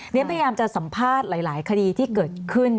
นี่พยายามจะสัมภาษณ์หลายคดีที่เกิดขึ้น